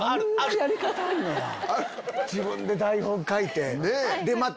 自分で台本書いて。